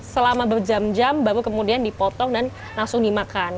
selama berjam jam baru kemudian dipotong dan langsung dimakan